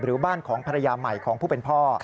บ้านของภรรยาใหม่ของผู้เป็นพ่อ